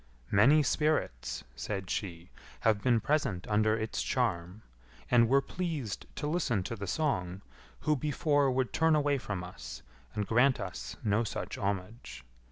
"Many spirits," said she, "have been present under its charm, and were pleased to listen to the song, who before would turn away from us, and grant us no such homage.